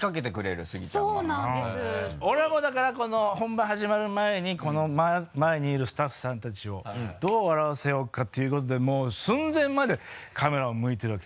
俺はもう本番始まる前に前にいるスタッフさんたちをどう笑わせようかということでもう寸前までカメラを向いてるわけ。